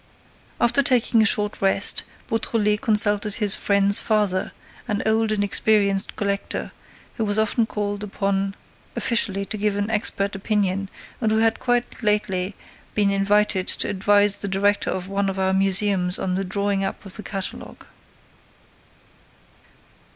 After taking a short rest, Beautrelet consulted his friend's father, an old and experienced collector, who was often called upon officially to give an expert opinion and who had quite lately been invited to advise the director of one of our museums on the drawing up of the catalogue.